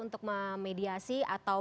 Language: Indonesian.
untuk memediasi atau